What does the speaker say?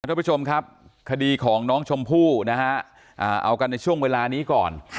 ทุกผู้ชมครับคดีของน้องชมพู่นะฮะเอากันในช่วงเวลานี้ก่อน